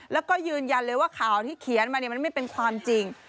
แล้วก็ยืนยันเลยว่าข่าวที่เขียนมามันไม่เป็นความจริง